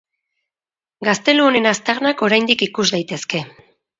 Gaztelu honen aztarnak oraindik ikus daitezke.